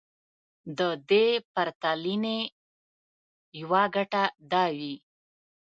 د دې پرتلنې يوه ګټه دا وي.